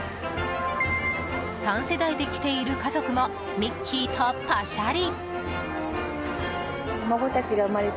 ３世代で来ている家族もミッキーとパシャリ！